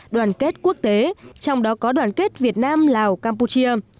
đoàn kết quốc tế trong đó có đoàn kết việt nam lào campuchia